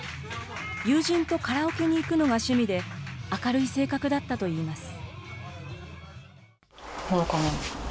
友人とカラオケに行くのが趣味で、明るい性格だったといいます。